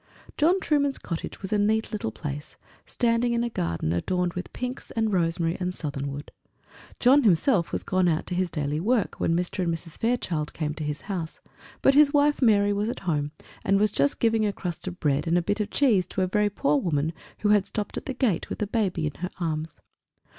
John Trueman's cottage was a neat little place, standing in a garden, adorned with pinks and rosemary and southernwood. John himself was gone out to his daily work when Mr. and Mrs. Fairchild came to his house; but his wife Mary was at home, and was just giving a crust of bread and a bit of cheese to a very poor woman who had stopped at the gate with a baby in her arms.